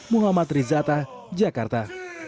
muhammad rizata jakarta